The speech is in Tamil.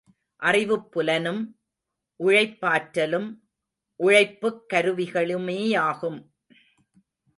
அறிவுப்புலனும் உழைப்பாற்றலும், உழைப்புக் கருவிகளுமேயாகும்.